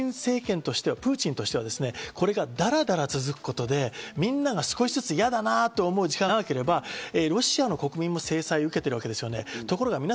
ところがプーチン政権としてはプーチンとしては、これがだらだら続くことで、みんなが少しずつ嫌だなと思う時間が長ければ、ロシアの国民も制裁を受けてるわけですね。